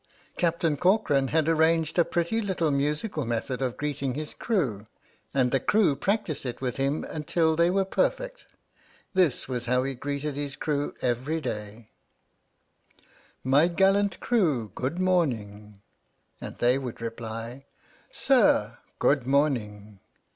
Captain Corcoran had arranged a pretty little musical method of greeting his crew, and the crew practised it with him until they were perfect. This was how he greeted his crew every day : My gallant crew, good morning! And they would reply: Sir, good morning!